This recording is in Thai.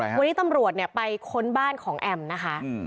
วันนี้ตำรวจไปค้นบ้านของแอมนะคะ